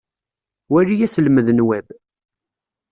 Wali aselmed n Web.